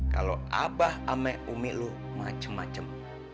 kalau abah sama umi lu macem macem